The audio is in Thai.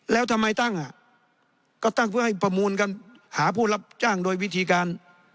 แล้วทำไมตั้งอ่ะก็ตั้งเพื่อให้ประมูลกันหาผู้รับจ้างโดยวิธีการ